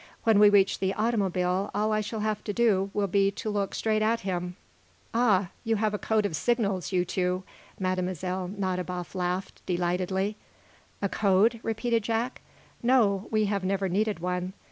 When we reach the automobile all I shall have to do will be to look straight at him." "Ah! You have a code of signals you two?" Mlle. Nadiboff laughed, delightedly. "A code?" repeated Jack. "No; we have never needed one.